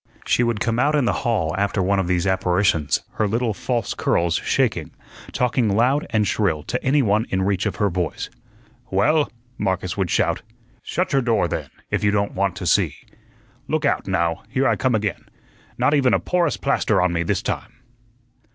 She would come out in the hall after one of these apparitions, her little false curls shaking, talking loud and shrill to any one in reach of her voice. "Well," Marcus would shout, "shut your door, then, if you don't want to see. Look out, now, here I come again. Not even a porous plaster on me this time."